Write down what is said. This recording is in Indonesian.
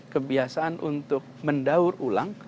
kebiasaan untuk mendaur ulang